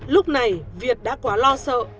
lúc này việt đã quá lo sợ